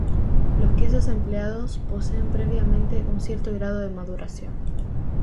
Los quesos empleados poseen previamente un cierto grado de maduración.